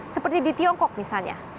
seperti di tiongkok misalnya